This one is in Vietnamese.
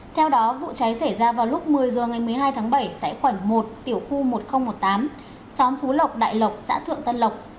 theo đó vụ cháy xảy ra vào lúc một mươi h ngày một mươi hai tháng bảy tại khoảnh một tiểu khu một nghìn một mươi tám xóm phú lộc đại lộc xã thượng tân lộc